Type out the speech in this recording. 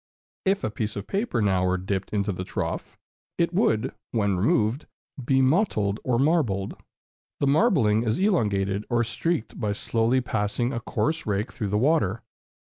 If a piece of paper now were dipped into the trough, it would, when removed, be mottled or marbled. The marbling is elongated or streaked by slowly passing a coarse rake through the water.